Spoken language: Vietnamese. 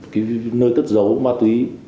cái nơi cất giấu ma túy